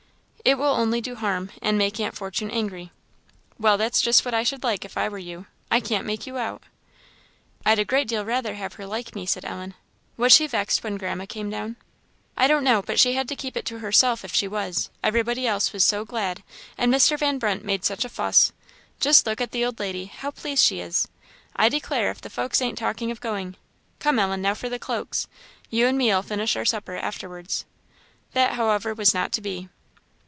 "It will only do harm, and make Aunt Fortune angry." "Well, that's just what I should like, if I were you. I can't make you out." "I'd a great deal rather have her like me," said Ellen. "Was she vexed when Grandma came down?" "I don't know, but she had to keep it to herself if she was; everybody else was so glad, and Mr. Van Brunt made such a fuss. Just look at the old lady, how pleased she is! I declare if the folks ain't talking of going! Come, Ellen! now for the cloaks! you and me'll finish our supper afterwards." That, however, was not to be.